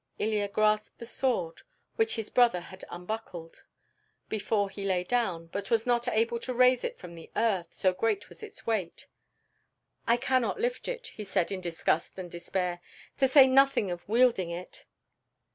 Ilya grasped the sword, which his brother had unbuckled, before he lay down, but was not able to raise it from the earth, so great was its weight. "I cannot lift it," he said in disgust and despair, "to say nothing of wielding it."